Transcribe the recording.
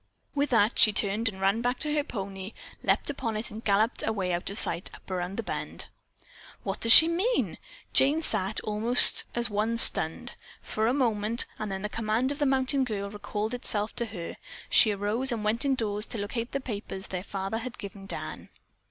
With that she turned and ran back to her pony, leaped upon it and galloped out of sight up around the bend. "What does she mean?" Jane sat, almost as one stunned, for a moment, then as the command of the mountain girl recalled itself to her, she arose and went indoors to locate the papers their father had given Dan.